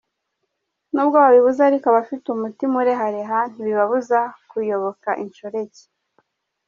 N’ubwo babibuza ariko abafite umutima urehareha ntibibabuza kuyoboka inshoreke.